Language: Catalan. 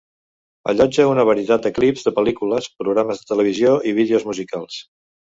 Allotja una varietat de clips de pel·lícules, programes de televisió i vídeos musicals.